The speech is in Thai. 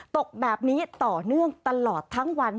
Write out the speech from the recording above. ตกแบบนี้ต่อเนื่องตลอดทั้งวัน